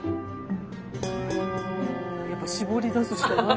やっぱ絞り出すしかない。